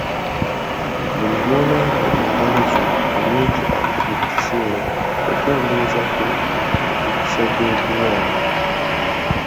Buli lw’onaaba engalo zo obulungi ate buli kaseera, okeendeeza ku mikisa gy’okulwala.